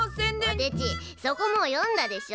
こてちそこもう読んだでしょ。